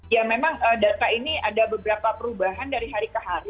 ya memang data ini ada beberapa perubahan dari hari ke hari